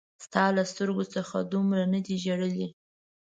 ستا له سترګو څخه دومره نه دي ژړلي